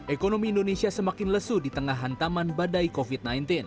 ekonomi indonesia semakin lesu di tengah hantaman badai covid sembilan belas